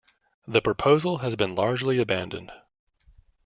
The proposal has been largely abandoned.